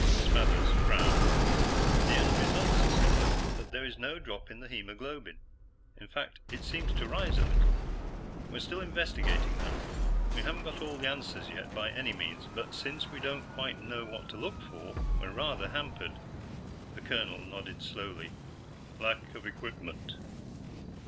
Smathers frowned. "The end results are similar, but there is no drop in the hemoglobin in fact, it seems to rise a little. We're still investigating that. We haven't got all the answers yet, by any means, but since we don't quite know what to look for, we're rather hampered." The colonel nodded slowly. "Lack of equipment?"